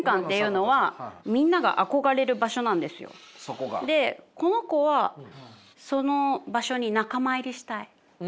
これが私この子はその場所に仲間入りしたい。